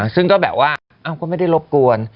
ซึ่งก็แบบว่าก็ไม่ได้รบกวน